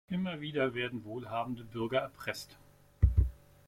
Immer wieder werden wohlhabende Bürger erpresst.